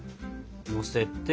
のせて。